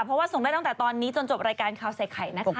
เพราะว่าส่งได้ตั้งแต่ตอนนี้จนจบรายการข่าวใส่ไข่นะคะ